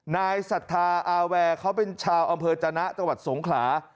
นายศรัทธาอาแวร์เขาเป็นชาวอำเภอจนะจังหวัดสงขลา